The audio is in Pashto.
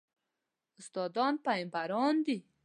استادان پېغمبران دي